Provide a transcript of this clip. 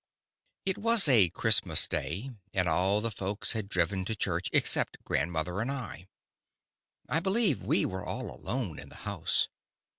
It was a Christmas Day and all the folks had driven to church except grandmother and I. I believe we were all alone in the house.